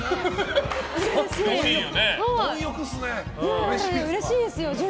うれしいですよ。